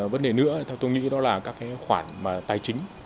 vấn đề nữa theo tôi nghĩ đó là các khoản tài chính